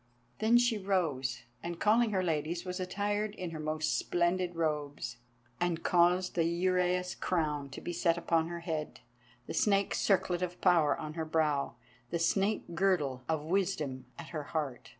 Then she rose, and calling her ladies, was attired in her most splendid robes, and caused the uraeus crown to be set upon her head, the snake circlet of power on her brow, the snake girdle of wisdom at her heart.